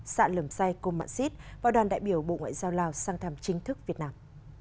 xã lầm sai công mạng xít vào đoàn đại biểu bộ ngoại giao lào sang thăm chính thức việt nam